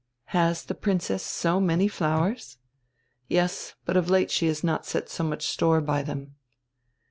"Has the Princess so many flowers?" "Yes, but of late she has not set so much store by them."